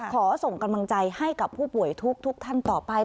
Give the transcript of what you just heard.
ขอส่งกำลังใจให้กับผู้ป่วยทุกท่านต่อไป